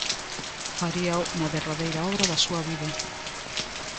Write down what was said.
Faríao na derradeira obra da súa vida.